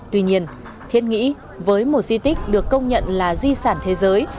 tuy nhiên thiết nghĩ với một di tích được công nhận là di sản thế giới